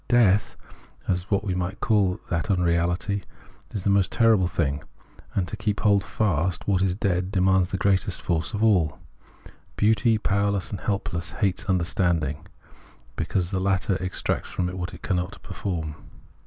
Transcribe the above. Death, as we may call that unreality, is the most terrible thing, and to keep and hold fast what is dead demands the greatest force of all. Beauty, powerless and helpless, hates understanding, because the latter exacts from it what it cannot perform.